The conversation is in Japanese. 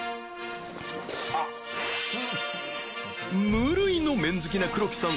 無類の麺好きな黒木さん